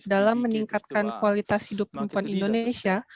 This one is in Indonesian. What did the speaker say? dalam meningkatkan kualitas hidup perempuan indonesia